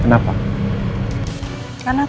karena aku gak mau semobil sama suami yang sudah memiliki